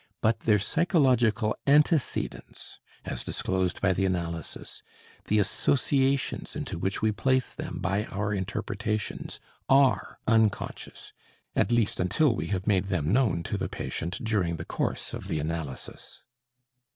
But their psychological antecedents as disclosed by the analysis, the associations into which we place them by our interpretations, are unconscious, at least until we have made them known to the patient during the course of the analysis.